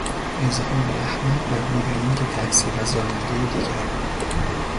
اظهار احمد مبنی براینکه تقصیر از رانندهی دیگر بود